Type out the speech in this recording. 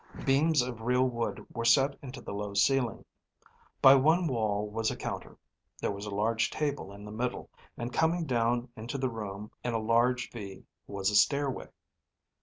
Beams of real wood were set into the low ceiling. By one wall was a counter. There was a large table in the middle, and coming down into the room in a large V was a stairway.